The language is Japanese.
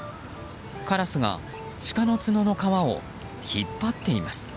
カラスがシカの角の皮を引っ張っています。